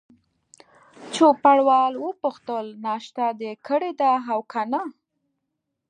چوپړوال وپوښتل: ناشته دي کړې ده او که نه؟